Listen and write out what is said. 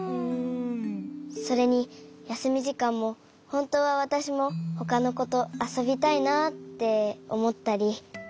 それにやすみじかんもほんとうはわたしもほかのことあそびたいなっておもったり。